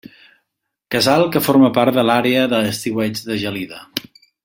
Casal que forma part de l'àrea d'estiueig de Gelida.